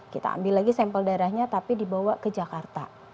kita ambil lagi sampel darahnya tapi dibawa ke jakarta